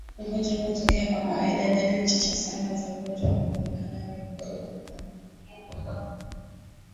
ugonjwa huu hutokea kwa kawaida dalili chache sana za ugonjwa huu huonekana Mikurupuko